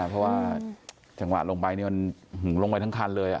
เพราะว่าจังหวะลงไปมันลงไปทั้งคันเลย